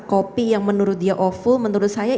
kopi yang menurut dia offul menurut saya